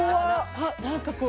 あ何かこう。